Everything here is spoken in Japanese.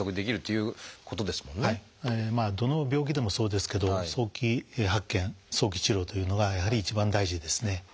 どの病気でもそうですけど早期発見・早期治療というのがやはり一番大事ですね。